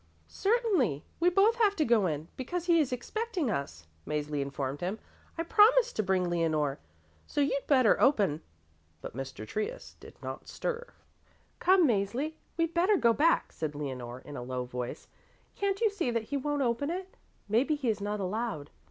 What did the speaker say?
"Certainly. We both have to go in, because he is expecting us," Mäzli informed him. "I promised to bring Leonore, so you'd better open." But Mr. Trius did not stir. "Come, Mäzli, we'd better go back," said Leonore in a low voice. "Can't you see that he won't open it? Maybe he is not allowed."